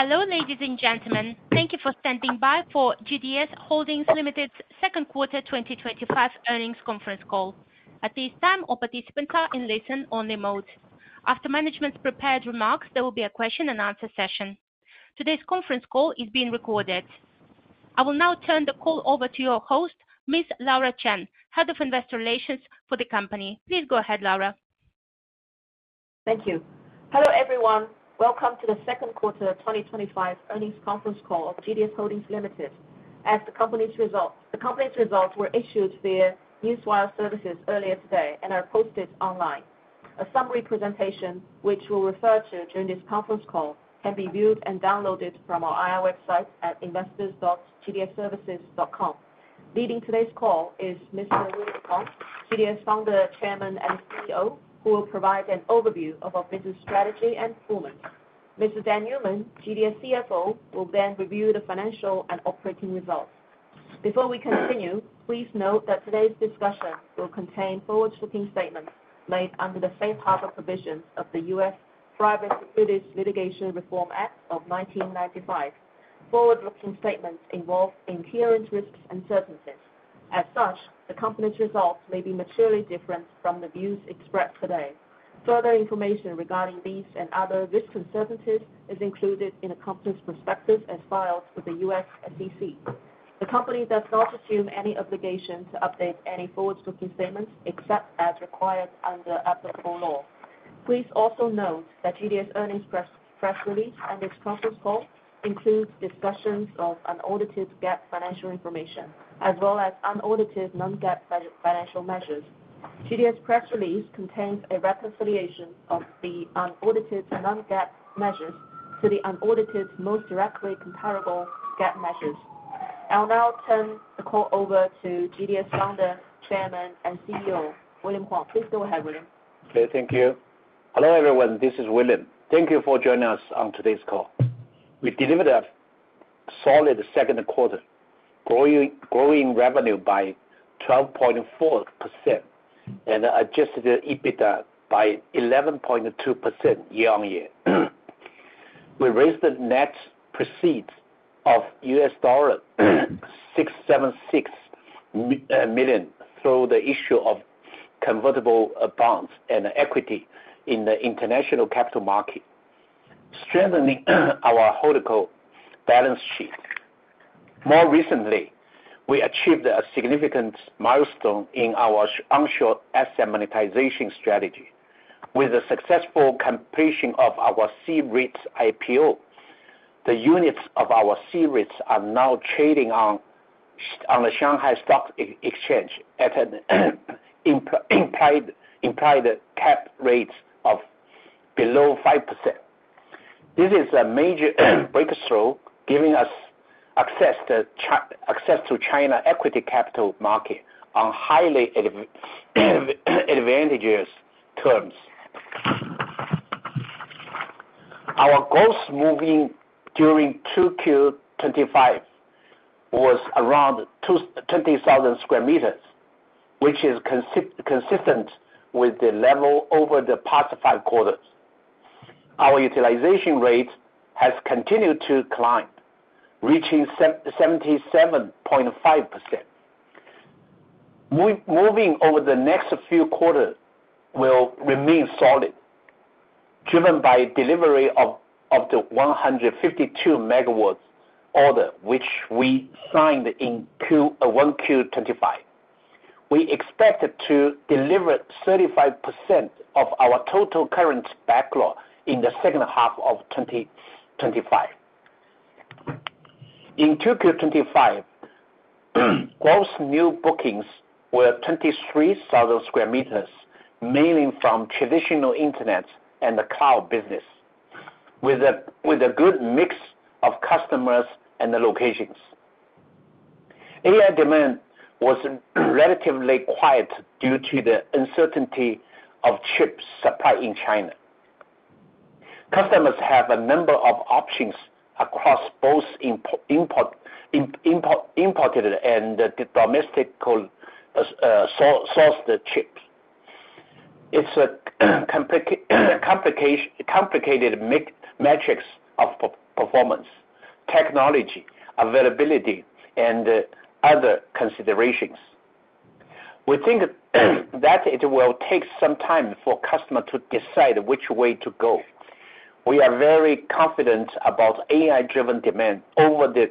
Hello ladies and gentlemen. Thank you for standing by for GDS Holdings Limited's Second Quarter 2025 Earnings Conference Call. At this time, all participants are in listen only mode. After management's prepared remarks, there will be a question and answer session. Today's conference call is being recorded. I will now turn the call over to your host, Ms. Laura Chen, Head of Investor Relations for the company. Please go ahead, Laura. Thank you. Hello everyone. Welcome to the Second Quarter 2025 Earnings Conference Call of GDS Holdings Limited as the company's results were issued via Newswire Services earlier today and are posted online. A summary presentation which we will refer to during this conference call can be viewed and downloaded from our IR website at investors.gdsservices.com. Leading today's call is Mr. William Huang, GDS Founder, Chairman and CEO, who will provide an overview of our business strategy and performance. Mr. Dan Newman, GDS CFO, will then review the financial and operating results. Before we continue, please note that today's discussion will contain forward-looking statements made under the safe harbor provision of the U.S. Private Securities Litigation Reform Act of 1995. Forward-looking statements involve inherent risks and uncertainties. As such, the company's results may be materially different from the views expressed today. Further information regarding these and other risk factors is included in the company's prospectus as filed with the U.S. and SEC. The company does not assume any obligation to update any forward-looking statements except as required under applicable law. Please also note that GDS earnings press release and this conference call includes discussions of unaudited GAAP financial information as well as unaudited non-GAAP financial measures. GDS press release contains a reconciliation of the unaudited non-GAAP measures to the unaudited most directly comparable GAAP measures. I will now turn the call over to GDS Founder, Chairman and CEO William Huang. Please go ahead, William. Okay, thank you. Hello everyone, this is William. Thank you for joining us. On today's call, we delivered a solid second quarter, growing revenue by 12.4% and adjusted EBITDA by 11.2% year-on-year. We raised the net proceeds of $676 million through the issue of convertible bonds and equity in the international capital market, strengthening our GDS balance sheet. More recently, we achieved a significant milestone in our onshore asset monetization strategy with the successful completion of our C-REIT IPO. The units of our C-REIT are now trading on the Shanghai Stock Exchange at an implied cap rate of below 5%. This is a major breakthrough, giving us access to China equity capital market on highly advantageous terms. Our gross moving during 2Q 2025 was around 20,000 sq m, which is consistent with the level over the past five quarters. Our utilization rate has continued to climb, reaching 77.5%. Moving over the next few quarters will remain solid, driven by delivery of up to 152 MW order which we signed in 1Q 2025. We expect to deliver 35% of our total current backlog in the second half of 2025. In 2Q 2025, gross new bookings were 23,000 sq m, mainly from traditional Internet and the cloud business, with a good mix of customers and locations. AI demand was relatively quiet due to the uncertainty of chip supply in China. Customers have a number of options across both imported and domestically sourced chips. It's a complicated matrix of performance, technology availability, and other considerations. We think that it will take some time for customers to decide which way to go. We are very confident about AI-driven demand over the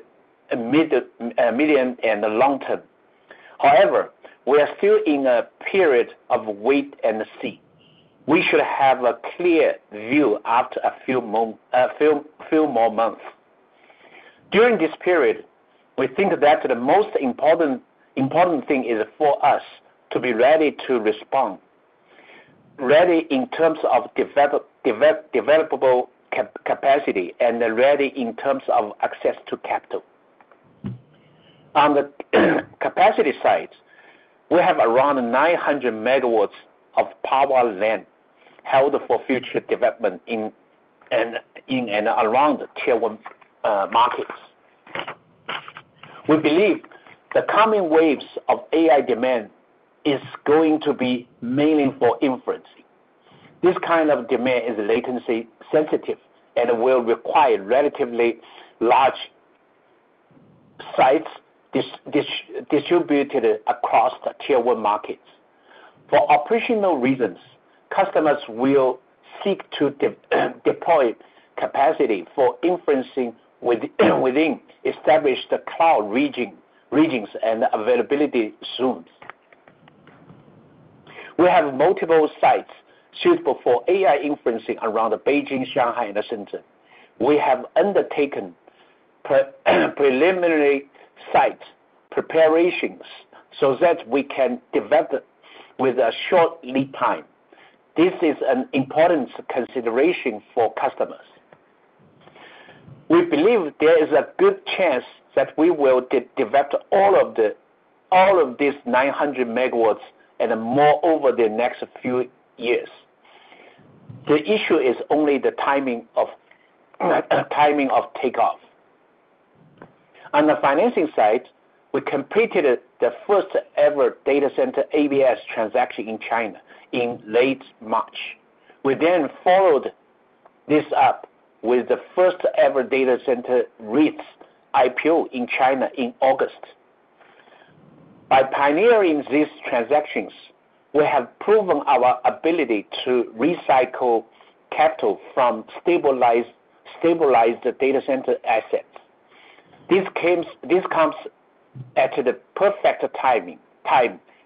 medium and long term. However, we are still in a period of wait and see. We should have a clear view after a few more months. During this period, we think that the most important thing is for us to be ready to respond, ready in terms of developable capacity and ready in terms of access to capital. On the capacity side, we have around 900 MW of power land held for future development in and around the Tier one markets. We believe the coming waves of AI demand are going to be mainly for inferencing. This kind of demand is latency-sensitive and will require relatively large sites distributed across the Tier one markets. For operational reasons, customers will seek to deploy capacity for inferencing within established cloud regions and availability zones. We have multiple sites suitable for AI inferencing around Beijing, Shanghai, and Shenzhen. We have undertaken preliminary site preparations so that we can develop with a short lead time. This is an important consideration for customers. We believe there is a good chance that we will develop all of these 900 MW and more over the next few years. The issue is only the timing of takeoff. On the financing side, we completed the first ever data center ABS transaction in China in late March. We then followed this up with the first ever data center REIT IPO in China in August. By pioneering these transactions, we have proven our ability to recycle capital from stabilized data center assets. This comes at the perfect timing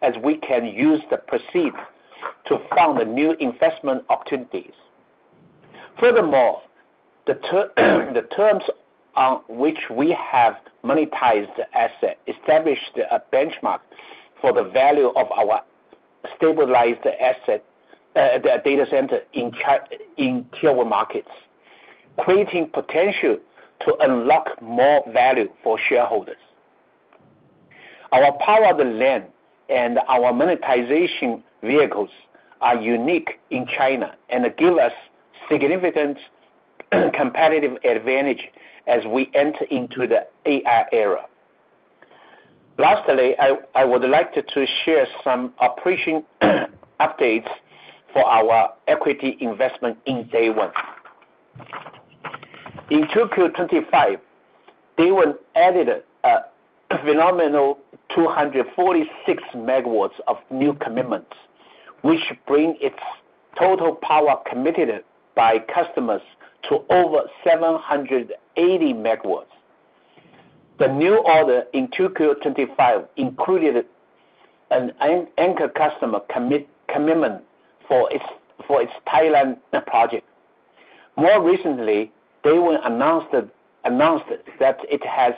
as we can use the proceeds to fund new investment opportunities. Furthermore, the terms on which we have monetized the asset established a benchmark for the value of our stabilized asset, the data center in Tier 1 markets, creating potential to unlock more value for shareholders. Our power over the land and our monetization vehicles are unique in China and give us significant competitive advantage as we enter into the AI era. Lastly, I would like to share some operation updates for our equity investment in Day One. In 2Q 2025, Day One added a phenomenal 246 MW of new commitments, which brings its total power committed by customers to over 780 MW. The new order in 2Q 2025 included an anchor customer commitment for its Thailand project. More recently, Day One announced that it has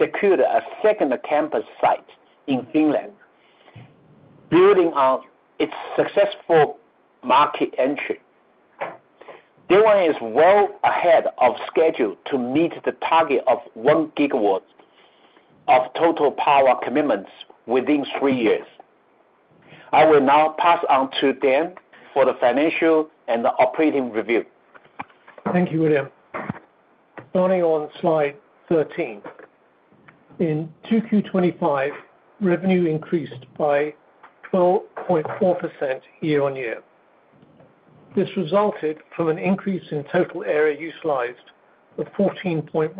secured a second campus site in Finland, building on its successful market entry. Day One is well ahead of schedule to meet the target of 1 GW of total power commitments within 3 years. I will now pass on to Dan for the financial and operating review. Thank you, William. Starting on slide 13, in 2Q 2025, revenue increased by 12.4% year-on-year. This resulted from an increase in total area utilized of 14.1%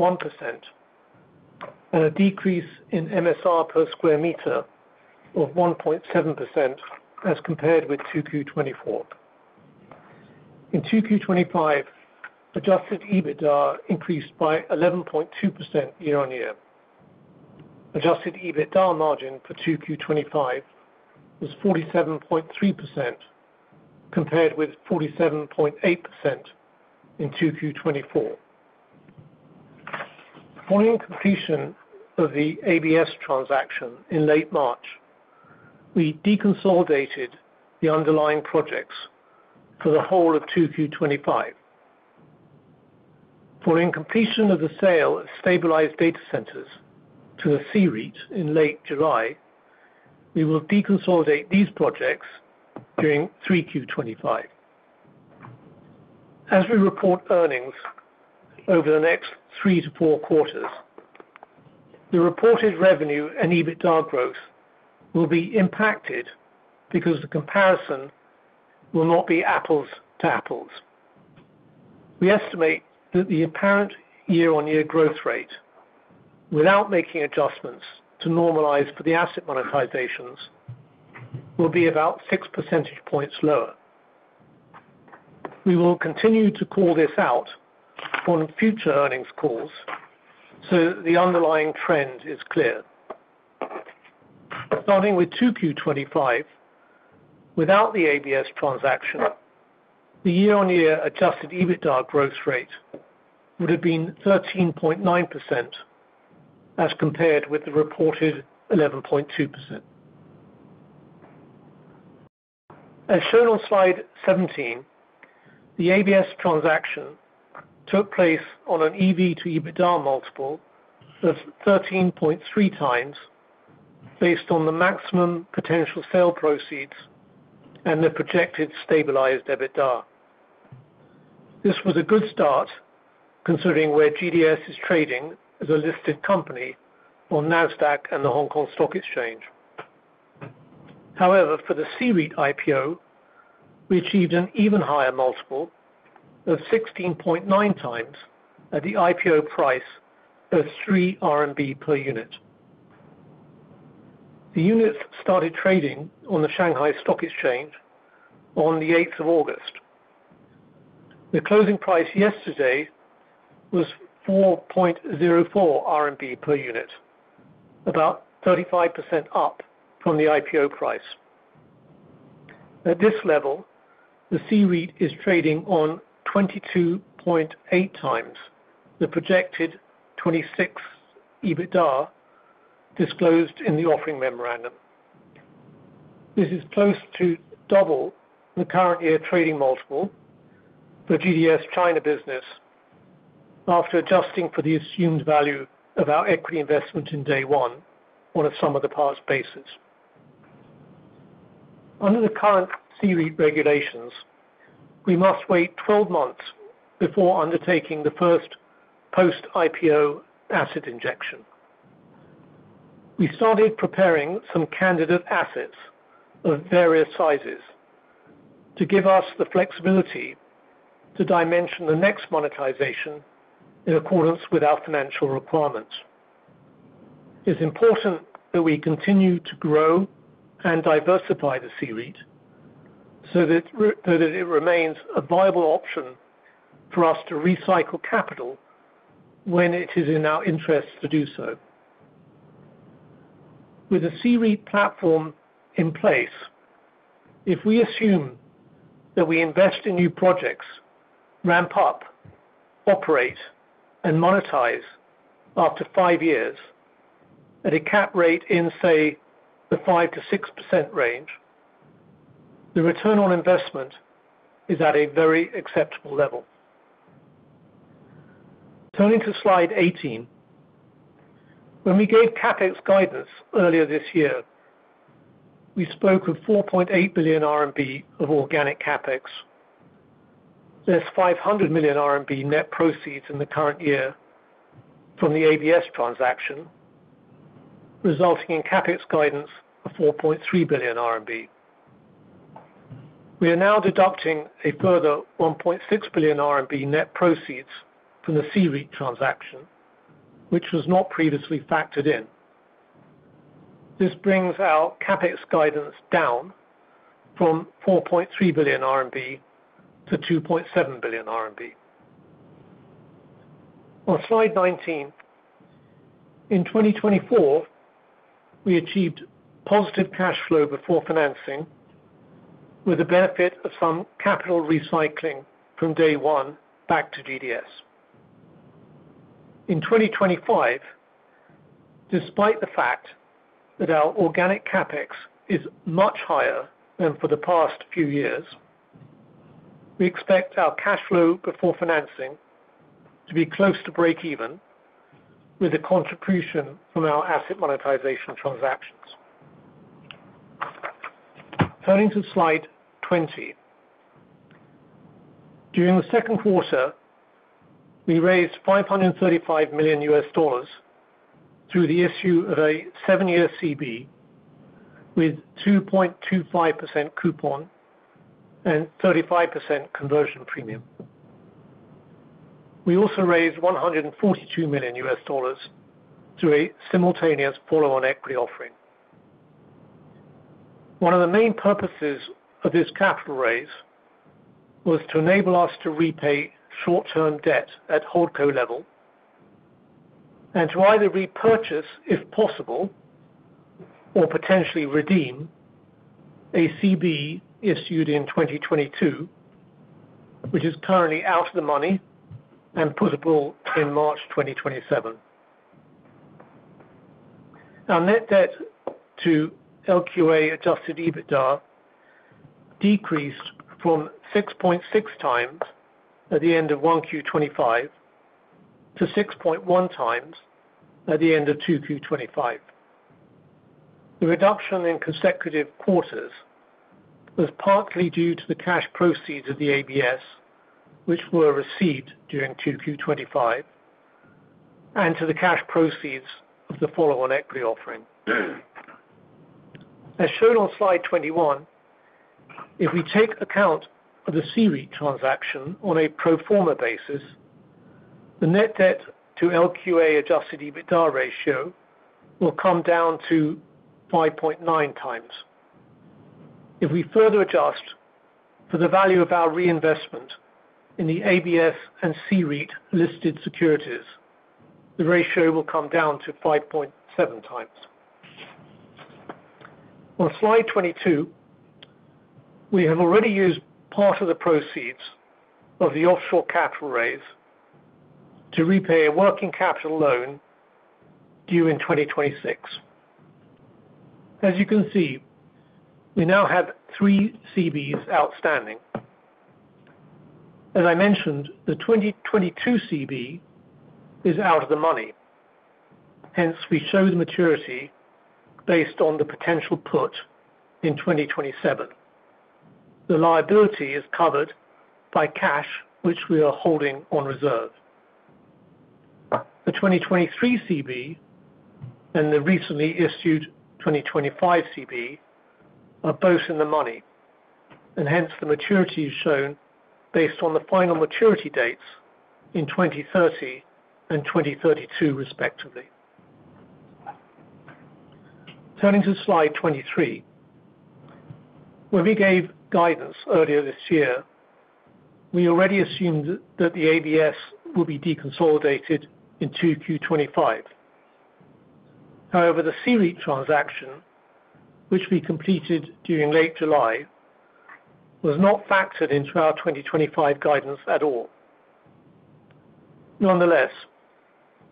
and a decrease in MSR per sq m of 1.7% as compared with 2Q 2024. In 2Q 2025, adjusted EBITDA increased by 11.2% year-on-year. Adjusted EBITDA margin for 2Q 2025 was 47.3% compared with 47.8% in 2Q 2024. Following completion of the ABS transaction in late March, we deconsolidated the underlying projects for the whole of 2Q 2025. Following completion of the sale of stabilized data centers to the C-REIT in late July, we will deconsolidate these projects during 3Q 2025 as we report earnings over the next three to four quarters. The reported revenue and EBITDA growth will be impacted because the comparison will not be apples to apples. We estimate that the apparent year-on year growth rate without making adjustments to normalize for the asset monetizations will be about 6 percentage points lower. We will continue to call this out on future earnings calls so the underlying trend is clear starting with 2Q 2025. Without the ABS transaction, the year-on-year adjusted EBITDA growth rate would have been 13.9% as compared with the reported 11.2% as shown on slide 17. The ABS transaction took place on an EV to EBITDA multiple of 13.3x based on the maximum potential sale proceeds and the projected stabilized EBITDA. This was a good start considering where GDS is trading as a listed company on NASDAQ and the Hong Kong Stock Exchange. However, for the C-REIT IPO we achieved an even higher multiple of 16.9x at the IPO price of 3 RMB per unit. The units started trading on the Shanghai Stock Exchange on August 8. The closing price yesterday was 4.04 RMB per unit, about 35% up from the IPO price. At this level, the C-REIT is trading on 22.8x the projected 2026 EBITDA disclosed in the Offering Memorandum. This is close to double the current year trading multiple for GDS China business after adjusting for the assumed value of our equity investment in Day One on a sum of the parts basis. Under the current C-REIT regulations, we must wait 12 months before undertaking the first post-IPO asset injection. We started preparing some candidate assets of various sizes to give us the flexibility to dimension the next monetization in accordance with our financial requirements. It's important that we continue to grow and diversify the C-REIT so that it remains a viable option for us to recycle capital when it is in our interest to do so. With the C-REIT platform in place, if we assume that we invest in new projects, ramp up, operate, and monetize after five years at a cap rate in, say, the 5%-6% range, the return on investment is at a very acceptable level. Turning to slide 18, when we gave capex guidance earlier this year, we spoke of 4.8 billion RMB of organic capex. There's 500 million RMB net proceeds in the current year from the ABS transaction, resulting in capex guidance of 4.3 billion RMB. We are now deducting a further 1.6 billion RMB net proceeds from the C-REIT transaction, which was not previously factored in. This brings our capex guidance down from RMB 4.3 billion-RMB 2.7 billion. On slide 19, in 2024 we achieved positive cash flow before financing with the benefit of some capital recycling from Day One back to GDS in 2025. Despite the fact that our organic capex is much higher than for the past few years, we expect our cash flow before financing to be close to break even with the contribution from our asset monetization transaction. Turning to slide 20, during the second quarter we raised $535 million through the issue of a seven-year CB with 2.25% coupon and 35% conversion premium. We also raised $142 million through a simultaneous follow-on equity offering. One of the main purposes of this capital raise was to enable us to repay short-term debt at holdco level and to either repurchase if possible or potentially redeem a CB issued in 2022, which is currently out of the money and putable in March 2027. Now net debt to LQA adjusted EBITDA decreased from 6.6x at the end of 1Q 2025 to 6.1x at the end of 2Q 2025. The reduction in consecutive quarters was partly due to the cash proceeds of the ABS, which were received during 2Q 2025, and to the cash proceeds of the follow-on equity offering as shown on slide 21. If we take account of the C-REIT transaction on a pro forma basis, the net debt to LQA adjusted EBITDA ratio will come down to 5.9x. If we further adjust for the value of our reinvestment in the ABS and C-REIT listed securities, the ratio will come down to 5.7x. On slide 22, we have already used part of the proceeds of the offshore capital raise to repay a working capital loan due in 2026. As you can see, we now have three CBs outstanding. As I mentioned, the 2022 CB is out of the money. Hence, we show the maturity based on the potential put in 2027. The liability is covered by cash which we are holding on reserve. The 2023 CB and the recently issued 2025 CB are both in the money, and hence the maturity is shown based on the final maturity dates in 2030 and 2032, respectively. Turning to slide 23, when we gave guidance earlier this year, we already assumed that the ABS will be deconsolidated in 2Q 2025. However, the C-REIT transaction, which we completed during late July, was not factored into our 2025 guidance at all. Nonetheless,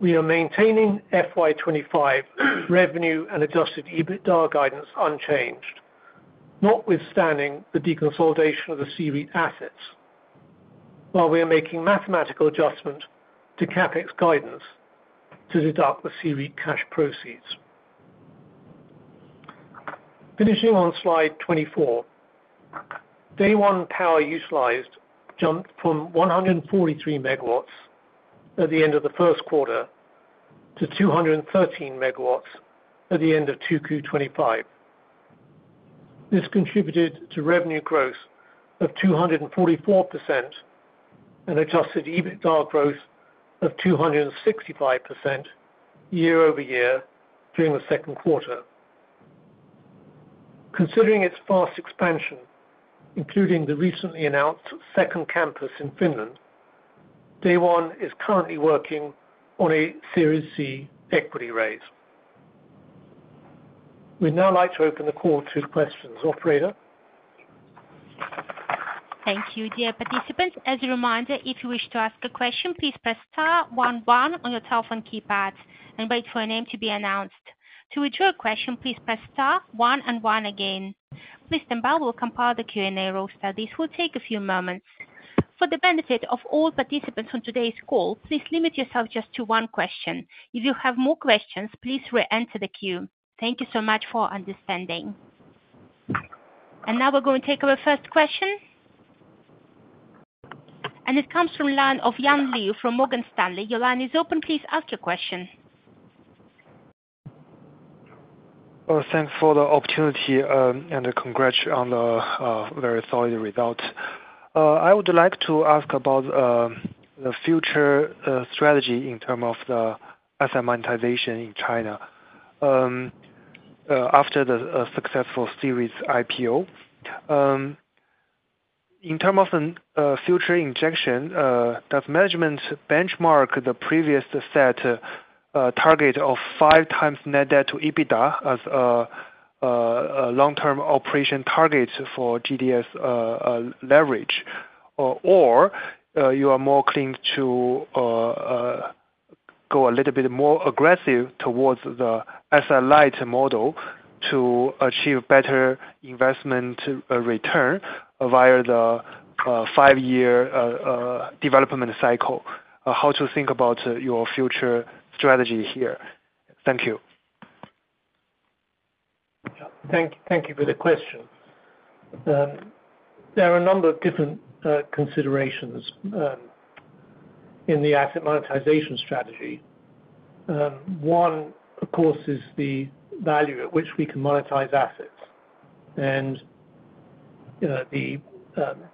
we are maintaining FY2025 revenue and adjusted EBITDA guidance unchanged, notwithstanding the deconsolidation of the C-REIT assets, while we are making a mathematical adjustment to capex guidance to deduct the C-REIT cash proceeds. Finishing on slide 24, Day One power utilized jumped from 143 MW at the end of the first quarter to 213 MW at the end of 2Q 2025. This contributed to revenue growth of 244% and adjusted EBITDA growth of 265% year-over-year during the second quarter. Considering its fast expansion, including the recently announced second campus in Finland, Day One is currently working on a Series C equity raise. We'd now like to open the call to questions. Operator. Thank you. Dear participants, as a reminder, if you wish to ask a question, please press Star, one one on your telephone keypad and wait for a name to be announced. To withdraw a question, please press Star, one and one again. Tembal will compile the Q&A roster. This will take a few moments. For the benefit of all participants on today's call, please limit yourself to just one question. If you have more questions, please re-enter the queue. Thank you so much for understanding. Now we're going to take our first question, and it comes from the line of Yang Liu from Morgan Stanley. Your line is open. Please ask your question. Thanks for the opportunity and congratulations on the very solid result. I would like to ask about the future strategy in terms of the asset monetization in China after the successful Series C-REIT IPO. In terms of the future injection, does management benchmark the previous set target of 5x net debt to EBITDA as a long-term operation target for GDS leverage, or you are more keen go a little bit more aggressive towards the slight model to achieve better investment return via the five year development cycle, how to think about your future strategy here? Thank you. Thank you for the question. There are a number of different considerations in the asset monetization strategy. One, of course, is the value at which we can monetize assets, and the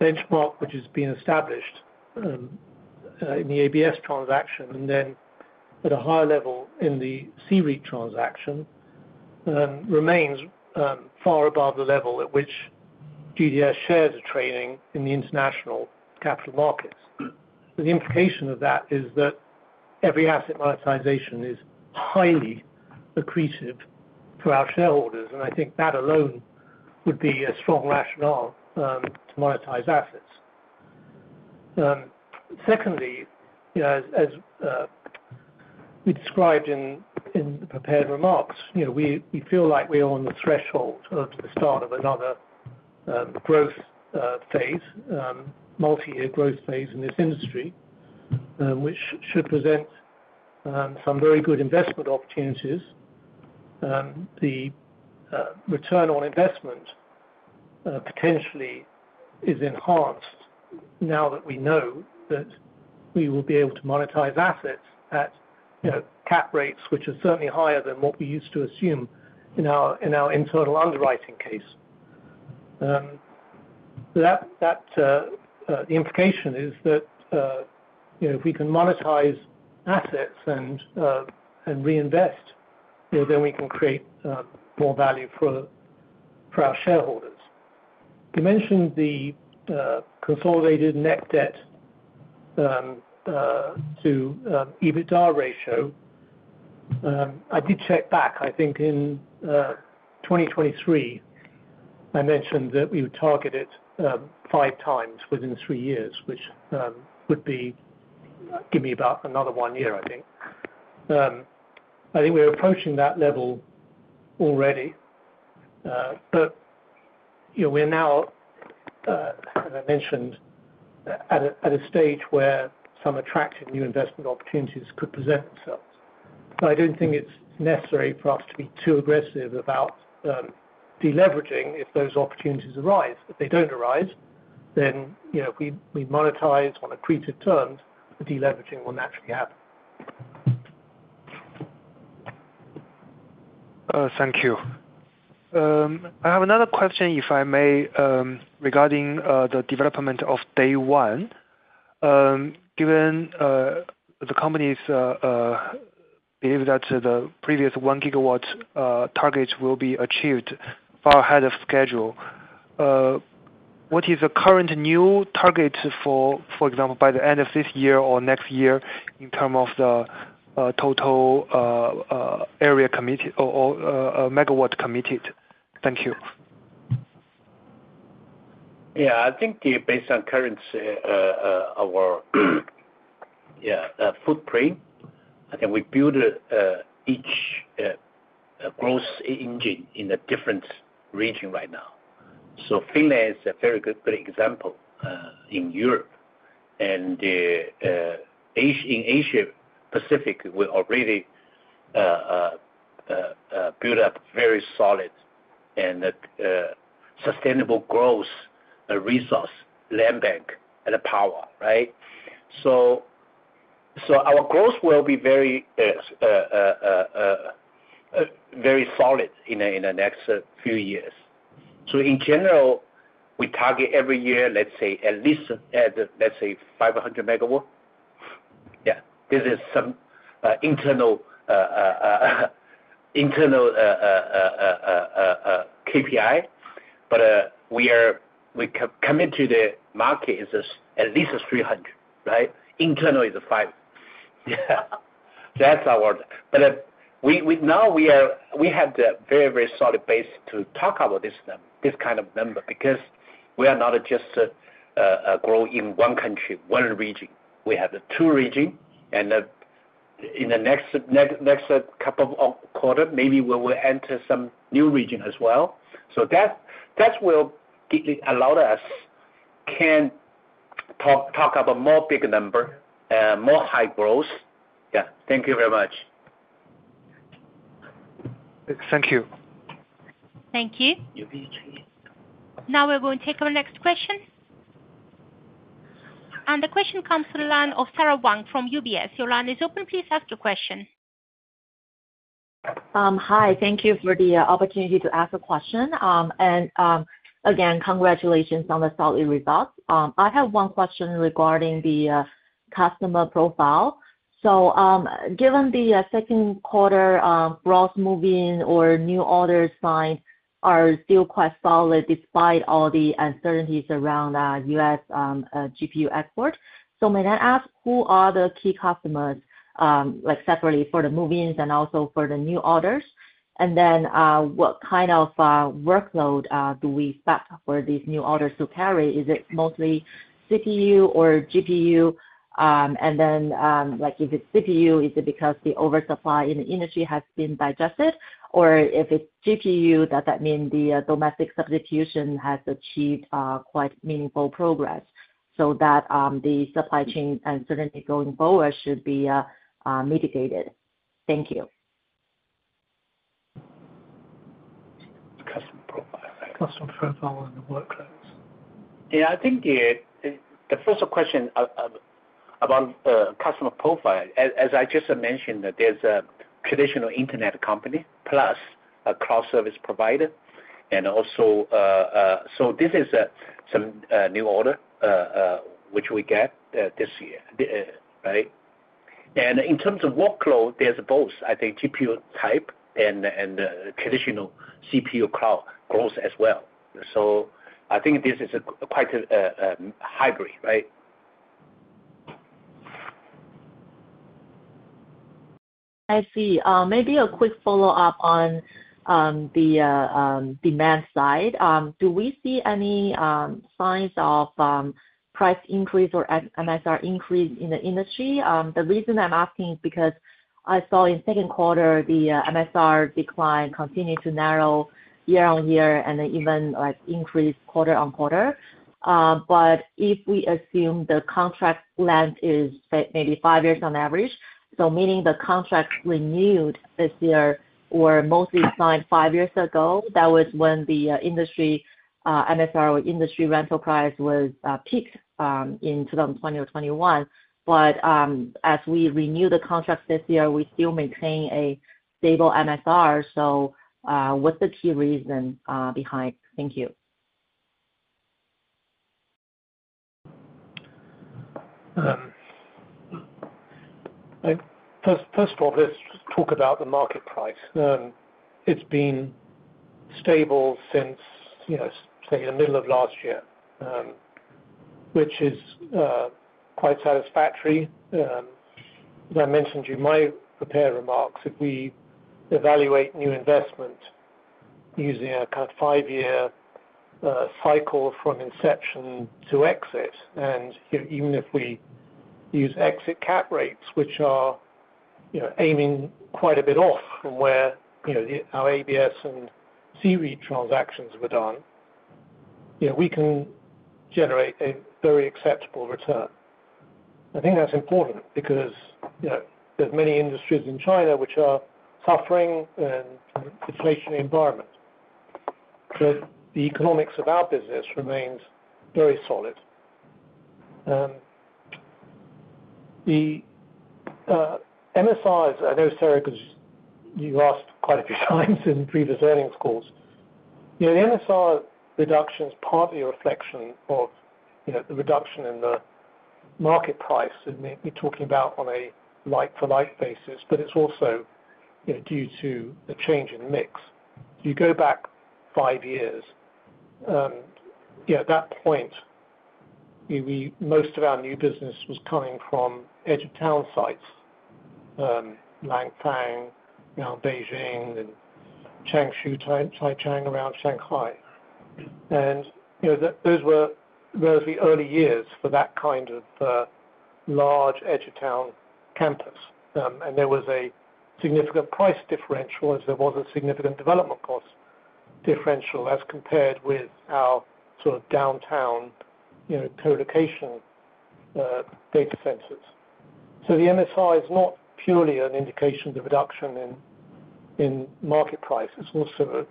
benchmark which has been established in the ABS transaction and then at a higher level in the C-REIT transaction remains far above the level at which GDS shares are trading in the international capital markets. The implication of that is that every asset monetization is highly accretive to our shareholders, and I think that alone would be a strong rationale to monetize assets. Secondly, as we described in the prepared remarks, we feel like we are on the threshold of the start of another growth phase, multi-year growth phase in this industry, which should present some very good investment opportunities. The return on investment potentially is enhanced now that we know that we will be able to monetize assets at cap rates which are certainly higher than what we used to assume in our internal underwriting case. The implication is that if we can monetize assets and reinvest, then we can create more value for our shareholders. You mentioned the consolidated net debt to EBITDA ratio. I did check back, I think in 2023 I mentioned that we would target it 5x within three years, which would give me about another one year. I think we're approaching that level already, but we're now, as I mentioned, at a stage where some attractive new investment opportunities could present themselves. I don't think it's necessary for us to be too aggressive about deleveraging if those opportunities arise. If they don't arise, then we monetize on accretive terms. Deleveraging will naturally happen. Thank you. I have another question if I may regarding the development of Day One. Given the company’s belief that the previous 1 GW targets will be achieved far ahead of schedule, what is the current new target, for example by the end of this year or next year, in terms of the total area committed or megawatt committed? Thank you. Yeah, I think based on our current footprint, I think we build each growth engine in a different ranging right now. Finland is a very good, good example. In Europe and as in Asia Pacific, we already build up very solid and sustainable growth resource, land bank, and power. Right. So our growth will be very. Very solid in the next few years. In general, we target every year, let's say at least 500 MW. This is some internal KPI. We are coming to the market at least 300 MW, right? Internal is 500 MW. That's our target. We now have the very, very solid base to talk about this kind of number because we are not just growing in one country, one region. We have the two regions, and in the next couple of quarters maybe we will enter some new region as well. That will deeply allow us to talk about more big numbers, more high growth. Thank you very much. Thank you. Thank you. We will take our next question. The question comes to the line of Sarah Wang from UBS. Your line is open. Please ask your question. Hi, thank you for the opportunity to ask a question. Again, congratulations on the solid results. I have one question regarding the customer profile. Given the second quarter gross moving or new order sign are still quite solid despite all the uncertainties around U.S. GPU export. When I ask who are the key customers like separately for the movie and also for the new orders, and then what kind of workload do we expect for these new orders to carry? Is it mostly CPU or GPU? If it's CPU, is it because the oversupply in the industry has been digested, or if it's GPU, does that mean the domestic substitution has achieved quite meaningful progress so that the supply chain and certainty going forward should be mitigated? Thank you. Customer profile and the workloads. Yeah, I think the first question about customer profile. As I just mentioned, there's a traditional Internet company plus a cloud service provider also. This is some new order which we get this year. In terms of workload, there's both GPU type and traditional CPU cloud growth as well. I think this is quite hybrid. Right. I see. Maybe a quick follow-up on the demand side. Do we see any signs of price increase or MSR increase in the industry? The reason I'm asking is because I saw. In the second quarter, the MSR decline continued to narrow year-on-year and even increased quarter on quarter. If we assume the contract length is maybe five years on average, meaning the contracts renewed this year were mostly signed five years ago, that would be when the industry MSR or industry rental price was peaked in 2020 or 2021. As we renew the contract this year, we still maintain a stable MSR. What's the key reason behind? Thank you. First of all, let's talk about the market price. It's been stable since, you know, say the middle of last year, which is quite satisfactory. I mentioned in my prepared remarks, if we evaluate new investment using a kind of five-year cycle from inception to exit, and even if we use exit cap rates which are, you know, aiming quite a bit off from where, you know, our ABS and C-REIT transactions were done, we can generate a very acceptable return. I think that's important because, you know, there's many industries in China which are suffering in an inflationary environment, but the economics of our business remains very solid. The MSRs, I know, Sarah, because you asked quite a few times in previous earnings calls, the MSR reduction is partly a reflection of the reduction in the market price, and we're talking about on a like-for-like basis. It's also due to the change in mix. You go back five years, and at that point most of our new business was coming from edge-of-town sites, Langfang, now Beijing, and Changshu, Taicang around Shanghai. Those were relatively early years for that kind of large edge-of-town campus, and there was a significant price differential as there was a significant development cost differential as compared with our sort of downtown colocation data centers. The MSR is not purely an indication of the reduction in market price. It also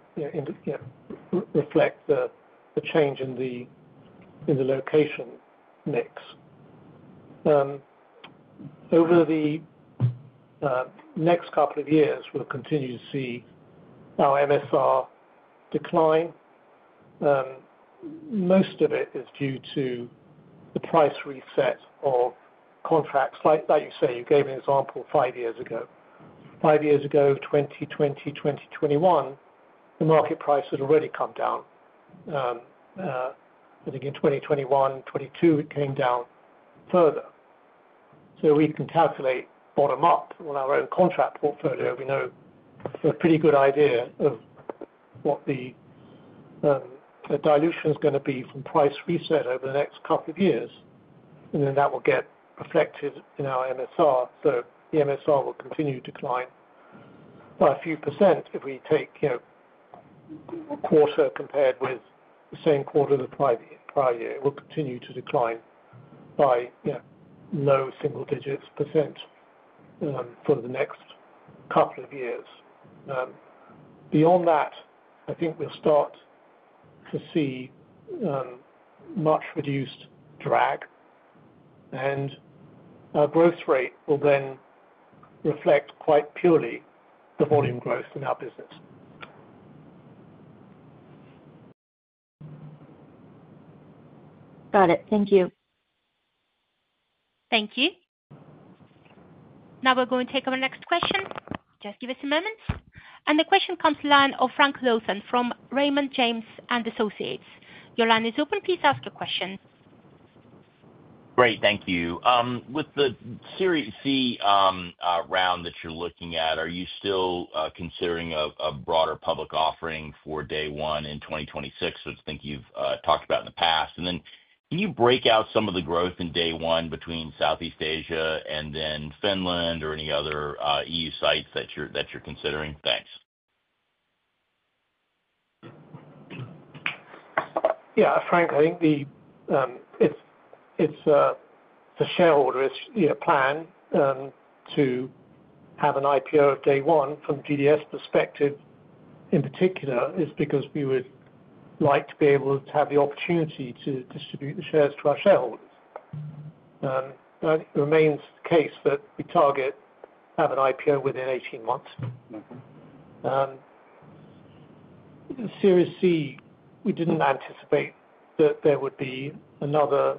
reflects the change in the location mix. Over the next couple of years, we'll continue to see our MSR decline. Most of it is due to the price reset of contracts. Like you say, you gave an example five years ago. Five years ago, 2020, 2021, the market price had already come down. I think in 2021, 2022, it came down further. We can calculate bottom up on our own contract portfolio. We know a pretty good idea of what the dilution is going to be from price reset over the next couple of years, and then that will get reflected in our MSR. The MSR will continue to decline by a few percent if we take, you know, quarter compared with the same quarter the prior year, will continue to decline by low single digits percent for the next couple of years. Beyond that, I think we'll start to see much reduced drag, and our growth rate will then reflect quite purely the volume growth in our business. Got it. Thank you. Thank you. Now we're going to take our next question. Just give us a moment. The question comes to the line of Frank Louthan from Raymond James & Associates. Your line is open. Please ask a question. Great, thank you. With the Series C round that you're looking at, are you still considering a broader public offering for Day One in 2026, which I think you've talked about in the past? Can you break out some of the growth in Day One between Southeast Asia and then Finland or any other E.U. sites that you're considering? Thanks. Yeah. Frank, I think it's the shareholder plan to have an IPO of Day One from GDS perspective in particular is because we would like to be able to have the opportunity to distribute the shares to our shareholders. It remains the case that we target have an IPO within 18 months. C-REIT, we didn't anticipate that there would be another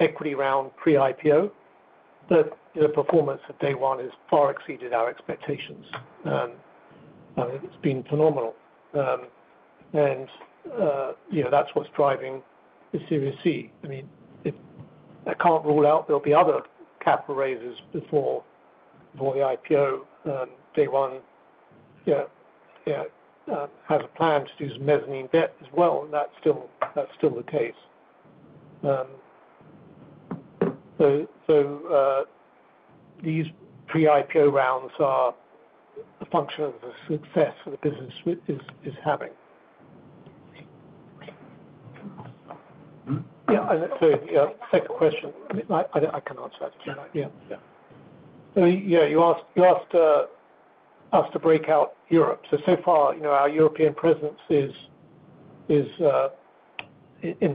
equity round pre IPO, but the performance of Day One has far exceeded our expectations. It's been phenomenal and you know, that's what's driving the Series C. I mean, I can't rule out there'll be other capital raises before the IPO. Day One has a plan to use mezzanine debt as well. That's still the case. These pre IPO rounds are a function of the success the business is having. Second question, I can answer that. You asked us to break out Europe so far. Our European presence is in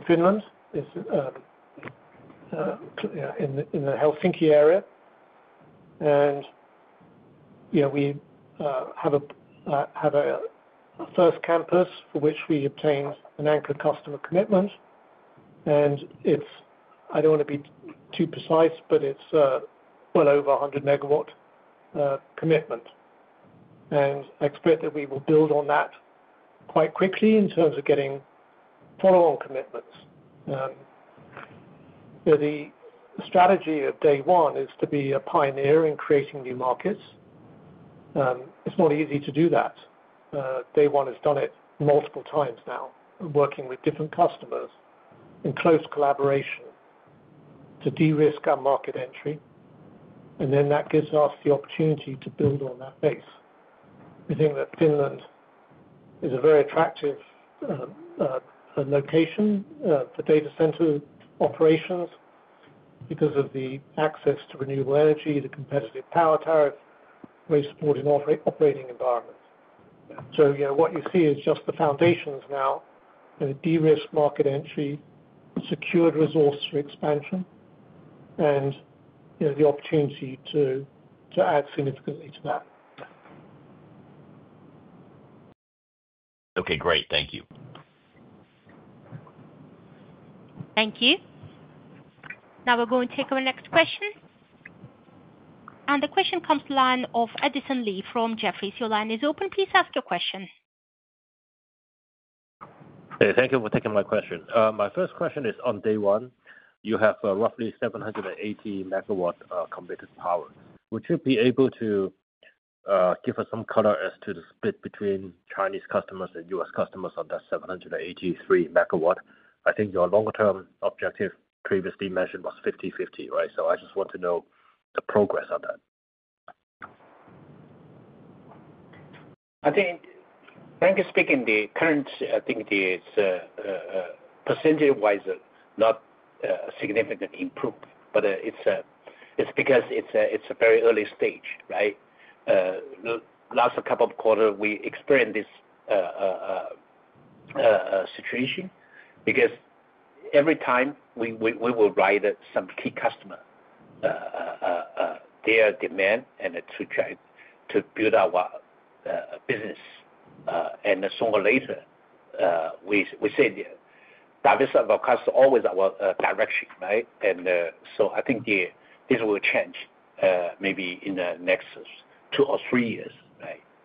Finland, is in the Helsinki area and we have a first campus for which we obtained an anchor cost of a commitment. I don't want to be too precise, but it's well over 100 MW commitment and I expect that we will build on that quite quickly in terms of getting follow on commitments. The strategy of Day One is to be a pioneer in creating new markets. It's not easy to do that. Day One has done it multiple times now, working with different customers in close collaboration to de-risk our market entry and that gives us the opportunity to build on that base. We think that Finland is a very attractive location for data center operations because of the access to renewable energy, the competitive power tariff, very supportive operating environment. What you see is just the foundations now. De-risk, market entry, secured resource expansion and you know, the opportunity to add significantly to that. Okay, great, thank you. Thank you. Now we're going to take our next question. The question comes to the line of Edison Lee from Jefferies. Your line is open. Please ask your question. Thank you for taking my question. My first question is on Day One. You have roughly 780 MW combative power. Would you be able to give us some color as to the split between Chinese customers and U.S. customers of that 783 MW? I think your longer term objective, previously measured, was 50/50, right? I just want to know the progress of that. Frankly speaking, the current activity is percentage wise, not significant improvement. It's because it's a very early stage. Last couple of quarters we experienced this situation because every time we will write some key customer, their demand, and try to build our business. Sooner or later, we said diverse forecast, always our direction, right? I think this will change maybe in the next two or three years.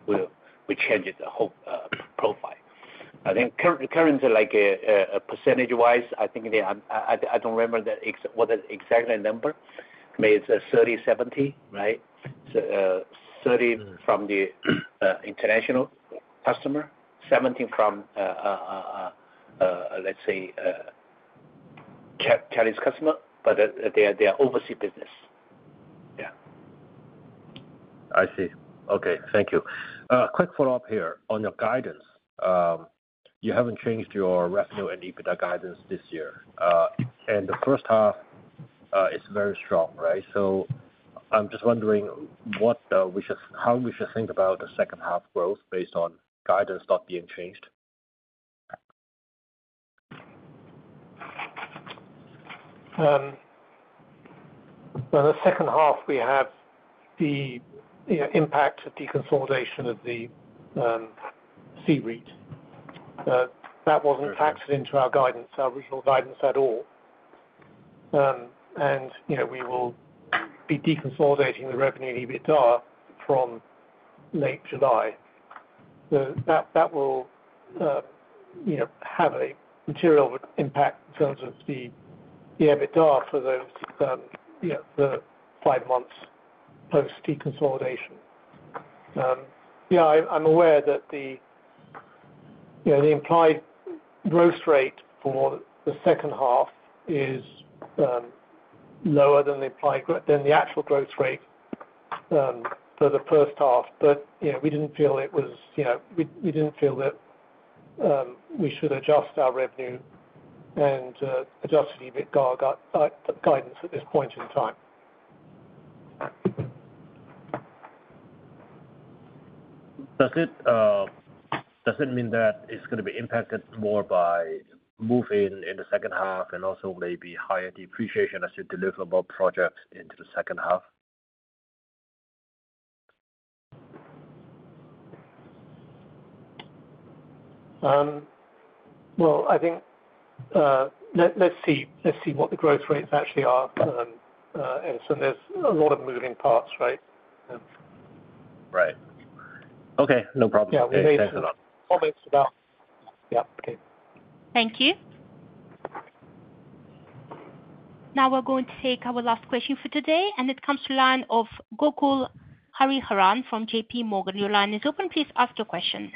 We change the whole profile. Currently, percentage wise, I don't remember what is exactly number. Maybe it's a 30/70, right? Thirteen from the international customer, 17 from, let's say, Chinese customer, but they are overseas business. Yeah. I see. Okay, thank you. Quick follow up here on your guidance. You haven't changed your revenue and EBITDA guidance this year and the first half is very strong, right? I'm just wondering how we should think about the second half growth based on guidance not being changed? With the second half. We have the impact of deconsolidation of the C-REIT that wasn't factored into our guidance, our original guidance at all. We will be deconsolidating the revenue and EBITDA from late July so that will have a material impact in terms of the EBITDA for those five months post deconsolidation. I'm aware that the implied growth rate for the second half is lower than the implied, than the actual growth rate for the first half. We didn't feel it was, we didn't feel that we should adjust our revenue and adjusted EBITDA guidance at this point in time. Does it mean that it's going to be impacted more by moving in the second half and also maybe higher depreciation as you deliver more projects into the second half? I think let's see what the growth rates actually are, and there's a lot of moving parts. Right. Right. Okay, no problem. Yeah, we made some comments about. Thank you. Now we're going to take our last question for today, and it comes to the line of Gokul Hariharan from JPMorgan. Your line is open. Please ask your question.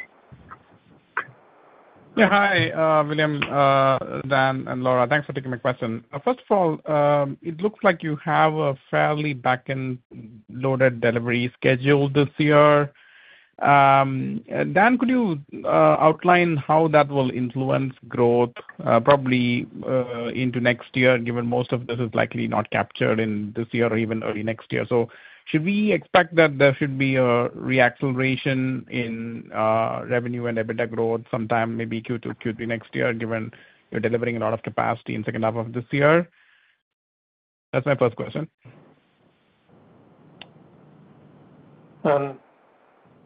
Yeah, hi William, Dan and Laura, thanks for taking my question. First of all, it looks like you have a fairly back loaded delivery scheduled this year. Dan, could you outline how that will influence growth probably into next year given most of this is likely not captured in this year or even early next year. Should we expect that there should be a reacceleration in revenue and EBITDA growth sometime maybe Q2, Q3 next year given you're delivering a lot of capacity in the second half of this year? That's my first question.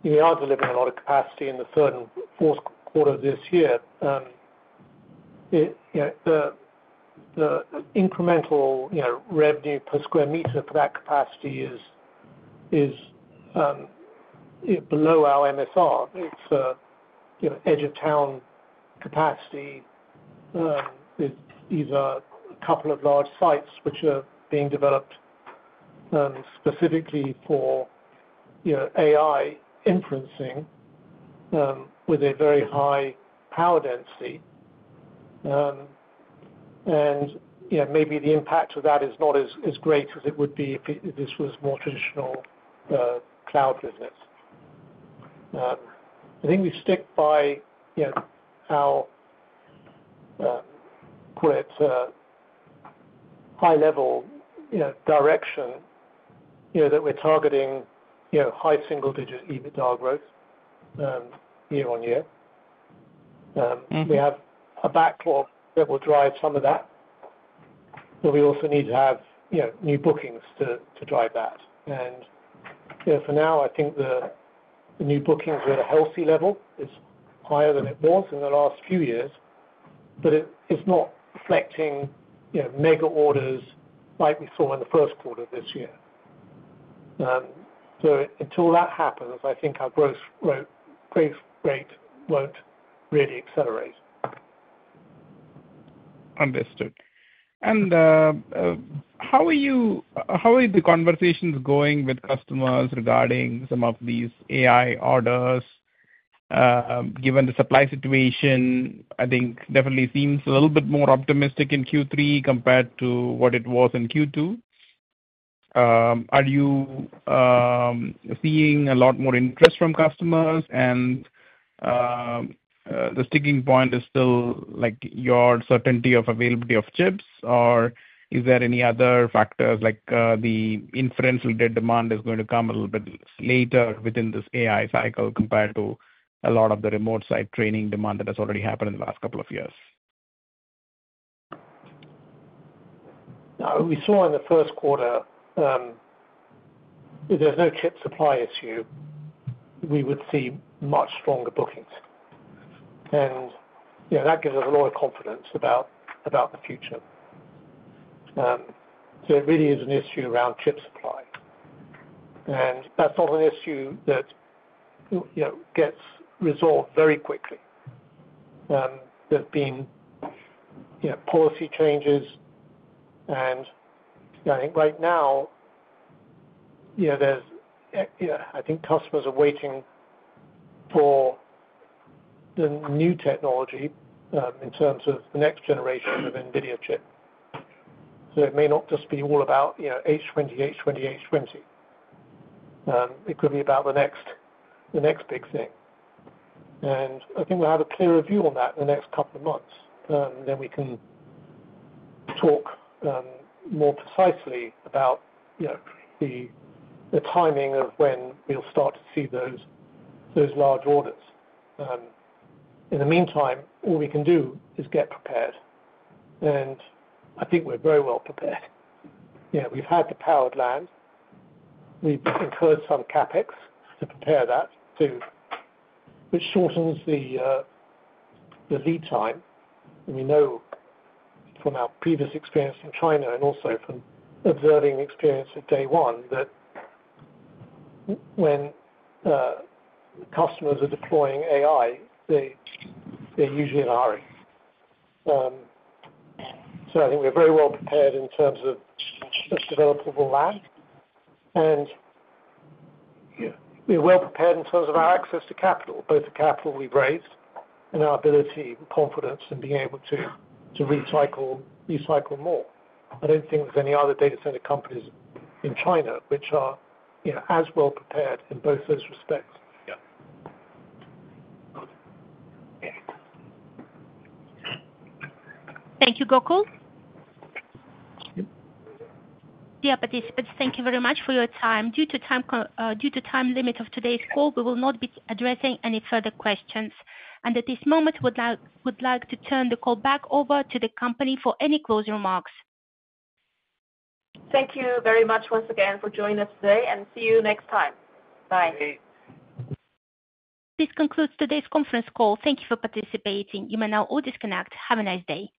We are delivering a lot of capacity in the third and fourth quarter this year. The incremental revenue per square meter for that capacity is below our MSR, it's edge of town capacity. These are a couple of large sites which are being developed specifically for AI inferencing with a very high power density, and maybe the impact of that is not as great as it would be if this was more traditional cloud business. I think we stick by our high level direction that we're targeting high single digit EBITDA growth year-on-year. We have a backlog that will drive some of that, but we also need to have new bookings to drive that, and for now I think the new bookings at a healthy level is higher than it was in the last few years. It's not reflecting mega orders like we saw in the first quarter this year. Until that happens, I think our growth rate won't really accelerate. Understood. How are the conversations going with customers regarding some of these AI orders given the supply situation? I think definitely seems a little bit more optimistic in Q3 compared to what it was in Q2. Are you seeing a lot more interest from customers, and the sticking point is still like your certainty of availability of chips, or is there any other factors like the inferencing demand is going to come a little bit later within this AI cycle compared to a lot of the remote site training demand that has already happened in the last couple of years. We saw in the first quarter if there's no chip supply issue, we would see much stronger bookings. That gives us a lot of confidence about the future. It really is an issue around chip supply, and that's not an issue that gets resolved very quickly. There have been policy changes, and I think right now customers are waiting for the new technology in terms of the next generation of NVIDIA chip. It may not just be all about H20, H20, H20; it could be about the next big thing. I think we'll have a clearer view on that in the next couple of months. We can talk more precisely about the timing of when we'll start to see those large orders. In the meantime, all we can do is get prepared, and I think we're very well prepared. We've had the powered land, we've incurred some capex to prepare that too, which shortens the lead time. We know from our previous experience in China and also from observing experience at Day One that when customers are deploying AI, they're usually at AI. I think we're very well prepared in terms of the developable lag, and we're well prepared in terms of our access to capital, both the capital we've raised and our ability and confidence in being able to recycle more. I don't think there's any other data center companies in China which are as well prepared in both those respects. Thank you, Gokul. Dear participants, thank you very much for your time. Due to the time limit of today's call, we will not be addressing any further questions, and at this moment would like to turn the call back over to the company for any closing remarks. Thank you very much once again for joining us today, and see you next time. Bye. This concludes today's conference call. Thank you for participating. You may now all disconnect. Have a nice day.